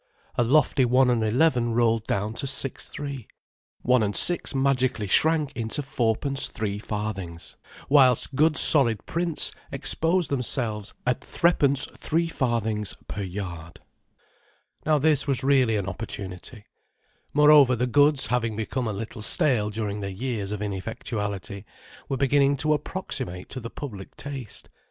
A lofty one and eleven rolled down to six three, 1/6 magically shrank into 4 3/4d, whilst good solid prints exposed themselves at 3 3/4d per yard. Now this was really an opportunity. Moreover the goods, having become a little stale during their years of ineffectuality, were beginning to approximate to the public taste.